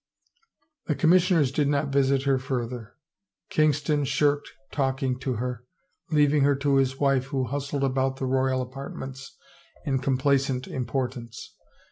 The commissioners did not visit her further. Kings ton shirked talking to her, leaving her to his wife who bustled about the royal apartments in complacent im portance.